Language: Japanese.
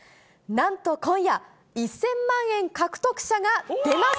なんと今夜、１０００万円獲得者が出ます！